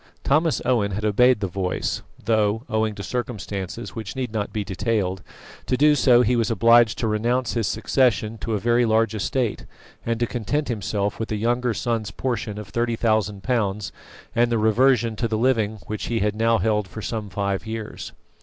Thomas Owen had obeyed the voice; though, owing to circumstances which need not be detailed, to do so he was obliged to renounce his succession to a very large estate, and to content himself with a younger son's portion of thirty thousand pounds and the reversion to the living which he had now held for some five years.